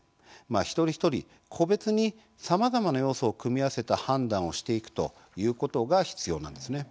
一人一人個別に、さまざまな要素を組み合わせた判断をしていくということが必要なんですね。